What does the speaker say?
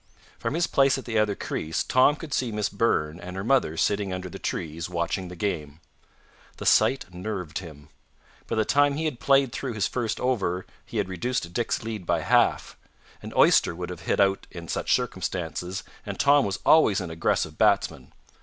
From his place at the other crease Tom could see Miss Burn and her mother sitting under the trees, watching the game. The sight nerved him. By the time he had played through his first over he had reduced Dick's lead by half. An oyster would have hit out in such circumstances, and Tom was always an aggressive batsman.